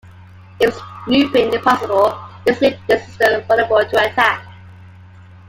If snooping is possible, this leaves the system vulnerable to attack.